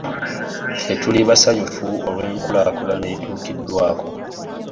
Ffe tuli bassanyufu olwenkulakulana etukidwako.